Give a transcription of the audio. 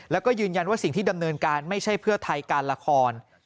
แล้วก็ยืนยันว่าสิ่งที่ดำเนินการไม่ใช่เพื่อไทยการละคร